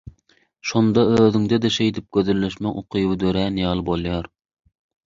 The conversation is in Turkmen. Şonda özüňde-de şeýdip gözelleşmek ukyby dörän ýaly bolýar.